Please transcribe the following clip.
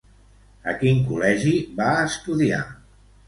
A quin col·legi va estudiar?